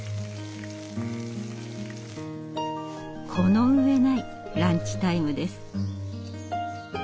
この上ないランチタイムです。